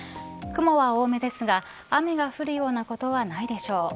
雲は多めですが雨が降るようなことはないでしょう。